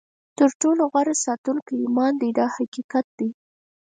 تر ټولو غوره ساتونکی ایمان دی دا حقیقت دی.